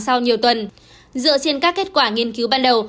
sau nhiều tuần dựa trên các kết quả nghiên cứu ban đầu